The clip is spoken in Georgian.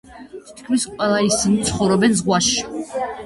თითქმის ყველა ისინი ცხოვრობენ ზღვაში.